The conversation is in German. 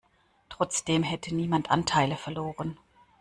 Trotzdem hätte niemand Anteile verloren.